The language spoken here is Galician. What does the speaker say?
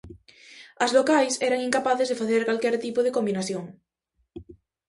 As locais eran incapaces de facer calquera tipo de combinación.